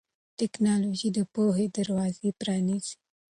ټیکنالوژي د پوهې دروازې پرانیزي.